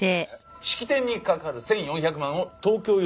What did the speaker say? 式典にかかる１４００万を東京よ